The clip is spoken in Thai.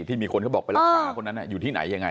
ที่มีคนเขาบอกไปรักษาคนนั้นอยู่ที่ไหนยังไง